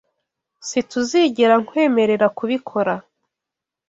SiTUZIgera nkwemerera kubikora.